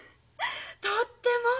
とっても！